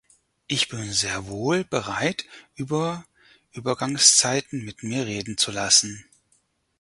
Ich bin sehr wohl bereit, über Übergangszeiten mit mir reden zu lassen.